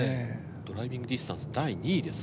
ドライビングディスタンス第２位です。